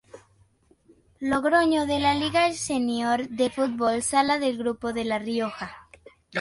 Logroño de la Liga senior de Fútbol Sala del grupo de La Rioja.